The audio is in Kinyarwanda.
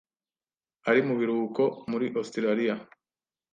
ari mu biruhuko muri Ositaraliya.